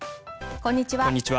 こんにちは。